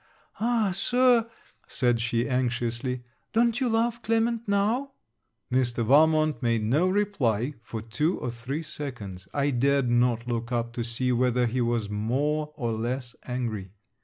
'Ah, Sir,' said she anxiously, 'don't you love Clement now?' Mr. Valmont made no reply for two or three seconds. I dared not look up to see whether he was more, or less angry.